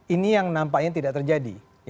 ini yang nampaknya tidak terjadi